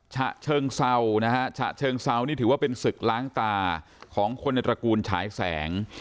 ฉะเชิงเซ้าถือว่าเป็นศึกล้างตาของคนในตระกูลฉายแสง